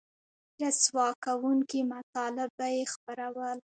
رسوا کوونکي مطالب به یې خپرول